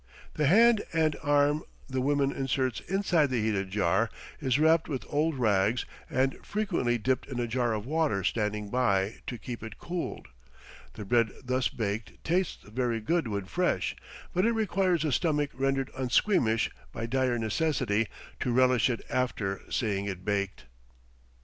The hand and arm the woman inserts inside the heated jar is wrapped with old rags and frequently dipped in a jar of water standing by to keep it cooled; the bread thus baked tastes very good when fresh, but it requires a stomach rendered unsqueamish by dire necessity to relish it after seeing it baked.